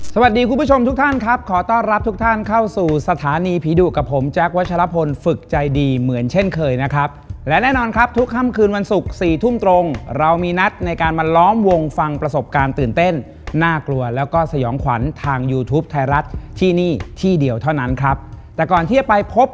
คุณผู้ชมทุกท่านครับขอต้อนรับทุกท่านเข้าสู่สถานีผีดุกับผมแจ๊ควัชลพลฝึกใจดีเหมือนเช่นเคยนะครับและแน่นอนครับทุกค่ำคืนวันศุกร์สี่ทุ่มตรงเรามีนัดในการมาล้อมวงฟังประสบการณ์ตื่นเต้นน่ากลัวแล้วก็สยองขวัญทางยูทูปไทยรัฐที่นี่ที่เดียวเท่านั้นครับแต่ก่อนที่จะไปพบ